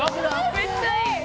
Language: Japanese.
めっちゃいい！